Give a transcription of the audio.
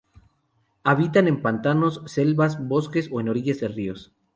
Habitan en pantanos, selvas, bosques o en orillas de ríos.